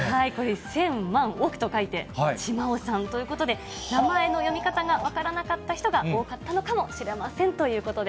千、万、億と書いてちまおさんということで、名前の読み方が分からなかった人が多かったのかもしれませんということで。